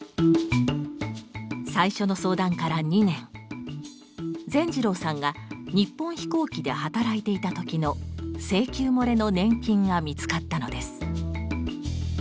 最初の相談から２年善次郎さんが日本飛行機で働いていた時の請求もれの年金が見つかったのです。